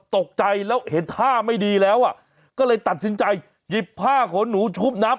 ตกใจแล้วเห็นท่าไม่ดีแล้วอ่ะก็เลยตัดสินใจหยิบผ้าขนหนูชุบน้ำ